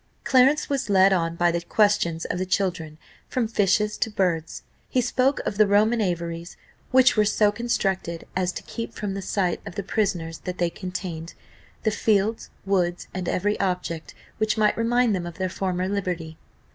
Clarence was led on by the questions of the children from fishes to birds; he spoke of the Roman aviaries, which were so constructed as to keep from the sight of the prisoners that they contained, "the fields, woods, and every object which might remind them of their former liberty."